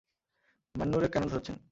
মান্নুরে কেনো ধরছেন?